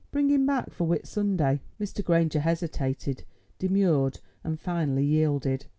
Bring him back for Whit Sunday." Mr. Granger hesitated, demurred, and finally yielded.